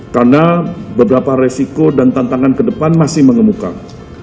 karena beberapa resiko dan tantangan ke depan masih mengemukang